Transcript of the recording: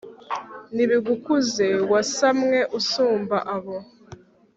nibigukuze, wasamwe usumba abo